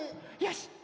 よし！